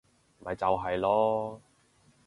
咪就係囉